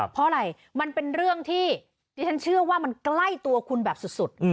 เพราะอะไรมันเป็นเรื่องที่ดิฉันเชื่อว่ามันใกล้ตัวคุณแบบสุด